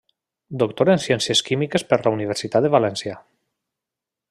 Doctor en Ciències Químiques per la Universitat de València.